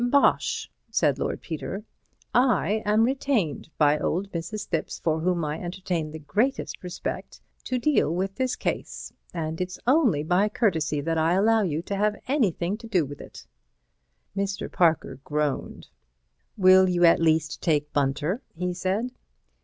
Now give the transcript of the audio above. "Bosh!" said Lord Peter. "I am retained (by old Mrs. Thipps, for whom I entertain the greatest respect) to deal with this case, and it's only by courtesy I allow you to have anything to do with it." Mr. Parker groaned. "Will you at least take Bunter?" he said.